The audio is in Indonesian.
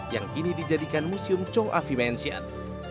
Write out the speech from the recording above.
yang kini dijadikan museum chong afi mansion